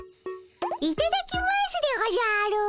いただきますでおじゃる！